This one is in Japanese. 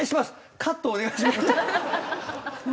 カットお願いします！